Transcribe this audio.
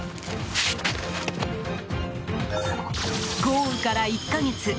豪雨から１か月。